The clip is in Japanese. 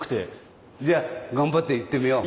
じゃあ頑張っていってみよう。